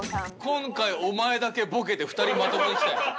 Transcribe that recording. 今回お前だけボケて２人まともにきたよ。